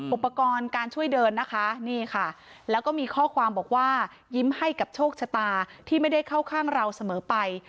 อุปกรณ์การช่วยเดินนะคะนี่ค่ะแล้วก็มีข้อความบอกว่ายิ้มให้กับโชคชะตาที่ไม่ได้เข้าข้างเราเสมอไป